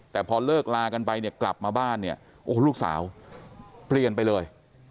แต่พอเลิกลากันไปเนี่ยกลับมาบ้านเนี่ยโอ้โหลูกสาวเปลี่ยนไปเลย